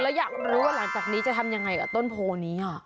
แล้วอยากรู้ว่าหลังจากนี้จะทำยังไงกับต้นโพนี้